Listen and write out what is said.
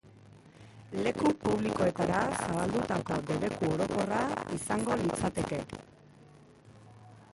Leku publikoetara zabaldutako debeku orokorra izango litzateke.